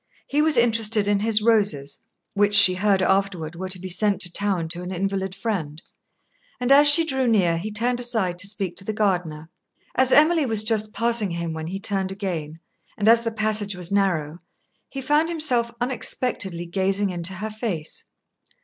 He was interested in his roses (which, she heard afterward, were to be sent to town to an invalid friend), and as she drew near, he turned aside to speak to the gardener. As Emily was just passing him when he turned again, and as the passage was narrow, he found himself unexpectedly gazing into her face.